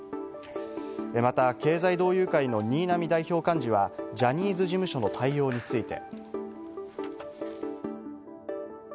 また経済同友会の新浪代表幹事はジャニーズ事務所の対応について。